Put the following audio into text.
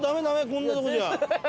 こんなとこじゃ。